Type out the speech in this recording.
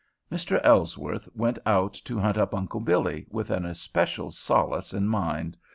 Mr. Ellsworth went out to hunt up Uncle Billy, with an especial solace in mind.